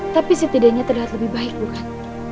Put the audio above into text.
tapi setidaknya terlihat lebih baik bukan